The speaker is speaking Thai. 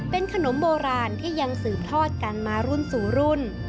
เป็นขนมโบราณที่ยังสืบทอดกันมารุ่นสู่รุ่น